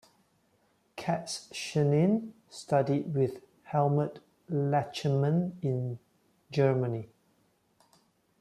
Kats-Chernin studied with Helmut Lachenmann in Germany.